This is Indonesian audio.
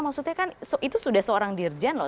maksudnya kan itu sudah seorang dirjen loh